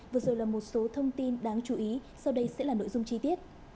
vừa rồi là một số thông tin đáng chú ý sau đây sẽ là nội dung chi tiết